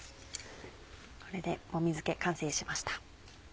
これでもみ漬け完成しました。